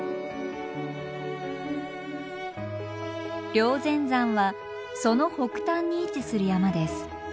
霊仙山はその北端に位置する山です。